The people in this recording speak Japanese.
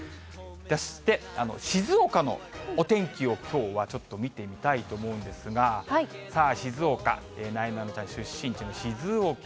そして静岡のお天気をきょうはちょっと見てみたいと思うんですが、さあ静岡、なえなのちゃん出身地の静岡。